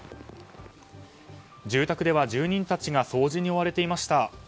住宅では住人たちが掃除に追われていました。